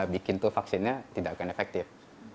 bikin tuh vaksinnya tidak akan efektif